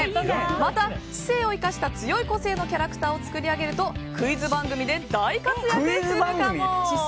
また、知性を生かした強い個性のキャラクターを作り上げるとクイズ番組で大活躍するかも？